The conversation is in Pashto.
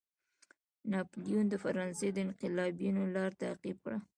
ناپلیون د فرانسې د انقلابینو لار تعقیب کړه.